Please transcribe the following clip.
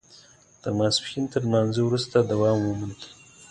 د ماسپښین تر لمانځه وروسته دوام وموند.